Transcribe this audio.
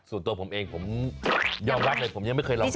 ส่วนตัวผมเองผมยอมรับเลยผมยังไม่เคยลองฟัง